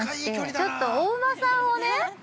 ちょっとお馬さんをね